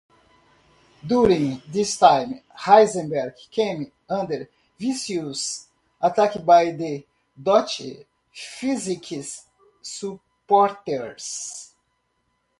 During this time, Heisenberg came under vicious attack by the "Deutsche Physik" supporters.